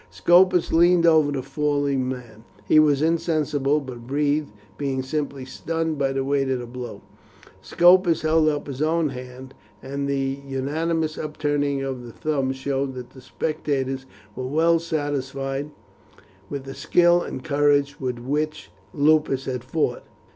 Scopus leaned over the fallen man. He was insensible but breathed, being simply stunned by the weight of the blow. Scopus held up his own hand, and the unanimous upturning of the thumbs showed that the spectators were well satisfied with the skill and courage with which Lupus had fought.